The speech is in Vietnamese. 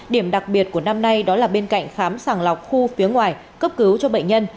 điểm đặc biệt của năm nay đó là bên cạnh khám sàng lọc khu phía ngoài cấp cứu cho bệnh nhân